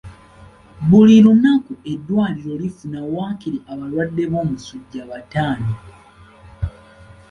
Buli lunaku eddwaliro lifuna waakiri abalwadde b'omusujja gw'ensiri bataano.